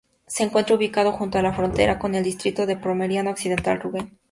Se encuentra ubicado junto a la frontera con el distrito de Pomerania Occidental-Rügen.